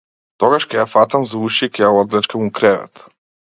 Тогаш ќе ја фатам за уши и ќе ја одвлечкам у кревет!